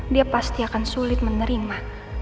dia pasti akan sulit menerima